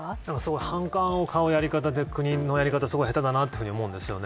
反感を買うやり方で国のやり方、すごい下手だなと思うんですよね。